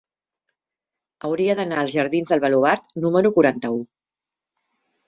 Hauria d'anar als jardins del Baluard número quaranta-u.